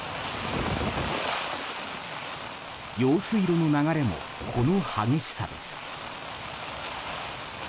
用水路の流れもこの激しさです。